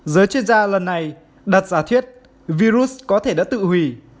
giới chuyên gia lần này đặt giả thiết virus có thể đã tự hủy